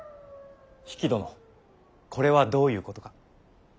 比企殿これはどういうことか。